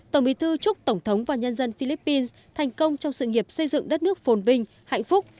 tổng bí thư chúc tổng thống và nhân dân philippines thành công trong sự nghiệp xây dựng đất nước phồn vinh hạnh phúc